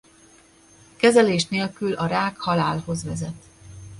Kezelés nélkül a rák halálhoz vezet.